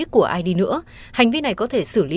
của ai đi nữa hành vi này có thể xử lý